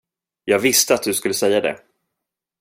Jag visste att du skulle säga det.